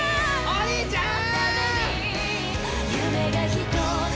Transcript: お兄ちゃん。